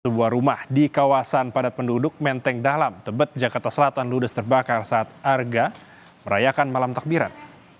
sebuah rumah di kawasan padat penduduk menteng dalam tebet jakarta selatan ludes terbakar saat arga merayakan malam takbiran